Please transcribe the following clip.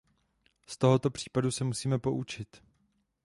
Z tohoto případu se musíme poučit.